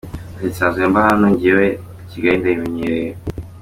Ati “Nsanzwe mba hano, njyewe Kigali ndayimenyereye.